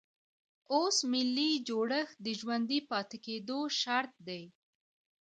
اوس ملي جوړښت د ژوندي پاتې کېدو شرط دی.